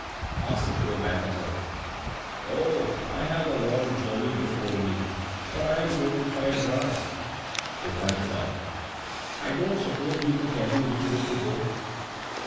asked the poor man, at length. "Oh, I have a long journey before me, for I am going to find Ram!" replied the farmer. "I don't suppose you could tell me which way to go?"